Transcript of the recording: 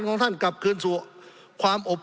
สงบจนจะตายหมดแล้วครับ